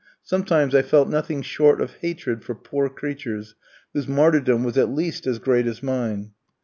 Sometimes I felt nothing short of hatred for poor creatures whose martyrdom was at least as great as mine.